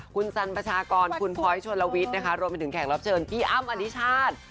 คุณสันประชากรคุณพลอยชนลวิทย์นะคะรวมไปถึงแขกรับเชิญพี่อ้ำอธิชาติ